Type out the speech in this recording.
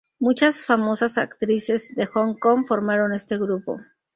Muchas famosas actrices de Hong Kong, formaron este grupo.